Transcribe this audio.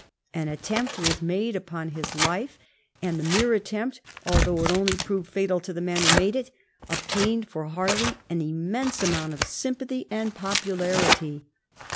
An attempt was made upon his life, and the mere attempt, although it only proved fatal to the man who made it, obtained for Harley an immense amount of sympathy and popularity.